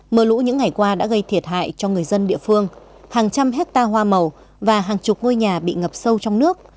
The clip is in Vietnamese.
mưa lũ những ngày qua đã gây thiệt hại cho người dân địa phương hàng trăm hecta hoa màu và hàng chục ngôi nhà bị ngập sâu trong nước